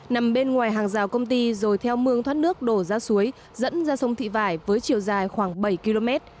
nằm bên ngoài hàng rào công ty rồi theo mương thoát nước đổ ra suối dẫn ra sông thị vải với chiều dài khoảng bảy km